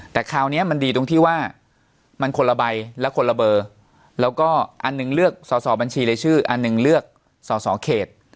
แต่คราวนี้มันดีตรงที่ว่ามันคนละใบและคนละเบอร์แล้วก็อันหนึ่งเลือกสอสอบัญชีรายชื่ออันหนึ่งเลือกสอสอเขต